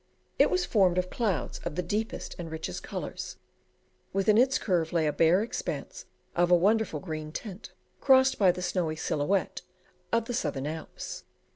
It was formed of clouds of the deepest and richest colours; within its curve lay a bare expanse of a wonderful green tint, crossed by the snowy silhouette of the Southern Alps.